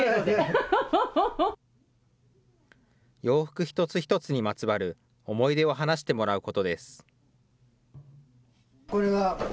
洋服一つ一つにまつわる思い出を話してもらうことです。